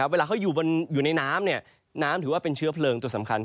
เวลาเขาอยู่ในน้ำน้ำถือว่าเป็นเชื้อเพลิงตัวสำคัญ